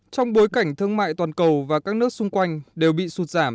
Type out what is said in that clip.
trong bối cảnh thương mại toàn cầu và các nước xung quanh đều bị sụt giảm